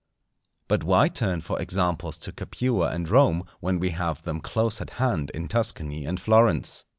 But why turn for examples to Capua and Rome, when we have them close at hand in Tuscany and Florence?